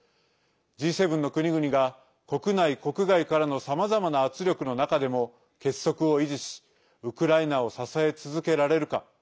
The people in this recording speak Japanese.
Ｇ７の国々が国内、国外からのさまざまな圧力の中でも結束を維持しウクライナを支え続けられるか。